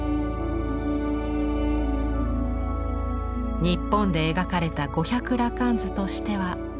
日本で描かれた「五百羅漢図」としては最古級。